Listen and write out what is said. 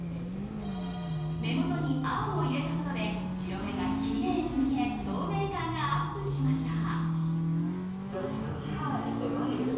目元に青を入れたことで白目がきれいに見え透明感がアップしました。